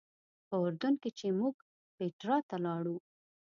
په اردن کې چې موږ پیټرا ته لاړو.